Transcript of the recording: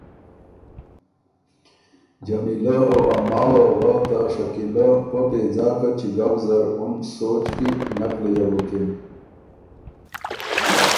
جمیلۀ او ا ماوه وه ته شکیلۀ پۀ بېځاکه چِکؤ زر اُن سوچ کی نک لیۀ بُکِن